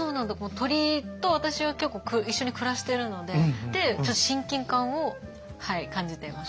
鳥と私は一緒に暮らしてるのでちょっと親近感を感じています。